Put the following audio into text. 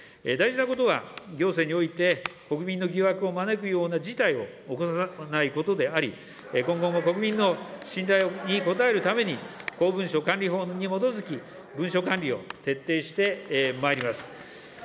大事なことは、行政において、国民の疑惑を招くような事態を起こさないことであり、今後も国民の信頼に応えるために、公文書管理法に基づき文書管理を徹底してまいります。